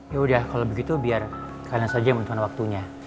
yaudah kalau begitu biar kalian saja yang menentukan waktunya